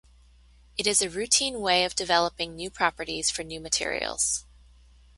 It is a routine way of developing new properties for new materials.